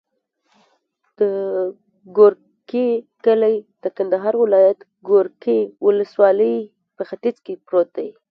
د ګورکي کلی د کندهار ولایت، ګورکي ولسوالي په ختیځ کې پروت دی.